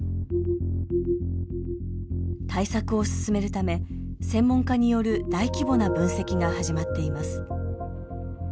対策を進めるため専門家による大規模な分析が始まっています。